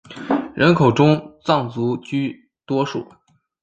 人口中藏族居多数。